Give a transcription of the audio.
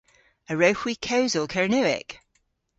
A wrewgh hwi kewsel Kernewek?